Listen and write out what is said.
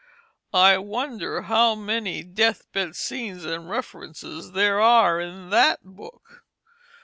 I wonder how many death bed scenes and references there are in that book!